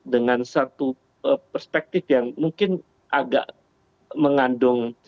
dengan satu perspektif yang mungkin agak mengandung